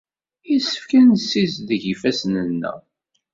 Yessefk ad nessizdig ifassen-nneɣ.